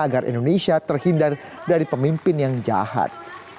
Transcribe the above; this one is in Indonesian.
agar indonesia terhindar dari pemimpin yang jahat